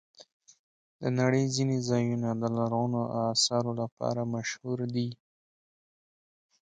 د نړۍ ځینې ځایونه د لرغونو آثارو لپاره مشهور دي.